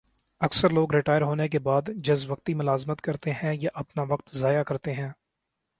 اکثر لوگ ریٹائر ہونے کے بعد جزوقتی ملازمت کرتے ہیں یا اپنا وقت ضائع کرتے ہیں